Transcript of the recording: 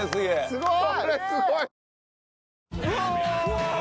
すごい！